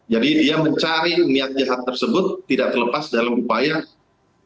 jadi dia mencari niat jahat tersebut tidak terlepas dalam upaya memperbaiki